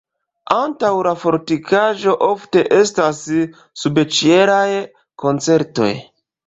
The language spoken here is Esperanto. Antaŭ la fortikaĵo ofte estas subĉielaj koncertoj.